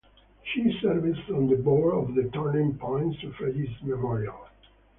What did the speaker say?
She serves on the board of the Turning Point Suffragist Memorial.